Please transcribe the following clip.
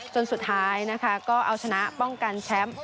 จนสุดท้ายนะคะก็เอาชนะป้องกันแชมป์